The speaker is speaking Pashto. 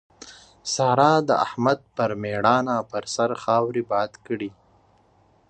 سارا د احمد پر ميړانه پر سر خاورې باد کړې.